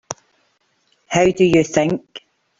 How do you think?